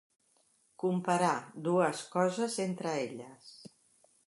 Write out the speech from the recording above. Comparar dues coses entre elles.